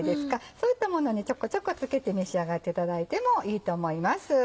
そういったものにちょこちょこ付けて召し上がっていただいてもいいと思います。